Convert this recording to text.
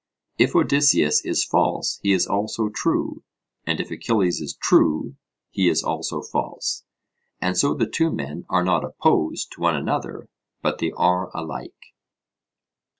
If Odysseus is false he is also true, and if Achilles is true he is also false, and so the two men are not opposed to one another, but they are alike.